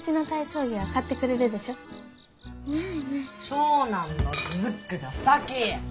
長男のズックが先！